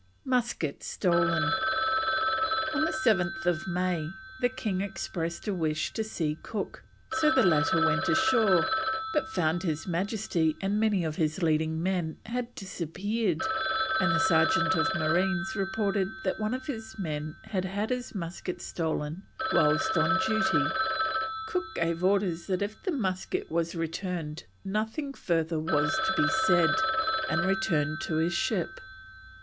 MUSKET STOLEN. On 7th May the king expressed a wish to see Cook, so the latter went ashore, but found his Majesty and many of his leading men had disappeared, and the sergeant of marines reported that one of his men had had his musket stolen whilst on duty. Cook gave orders that if the musket was returned nothing further was to be said, and returned to his ship.